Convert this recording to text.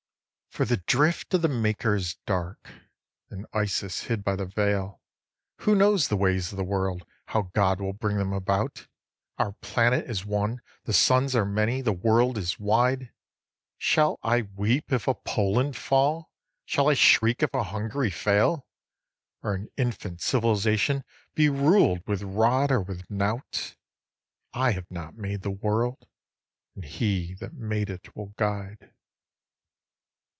8. For the drift of the Maker is dark, an Isis hid by the veil. Who knows the ways of the world, how God will bring them about? Our planet is one, the suns are many, the world is wide. Shall I weep if a Poland fall? shall I shriek if a Hungary fail? Or an infant civilisation be ruled with rod or with knout? I have not made the world, and He that made it will guide.